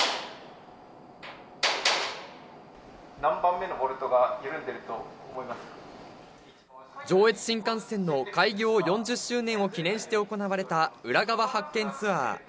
何番目のボルトが緩んでいる上越新幹線の開業４０周年を記念して行われた、裏側発見ツアー。